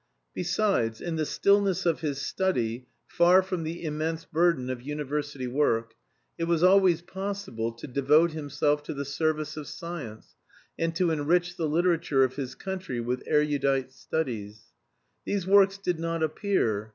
Besides, in the stillness of his study, far from the immense burden of university work, it was always possible to devote himself to the service of science, and to enrich the literature of his country with erudite studies. These works did not appear.